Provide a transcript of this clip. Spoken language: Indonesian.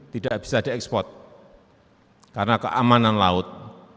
tidak bisa diekspor karena keamanan laut